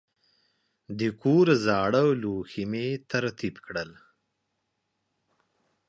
د کور زاړه لوښي مې ترتیب کړل.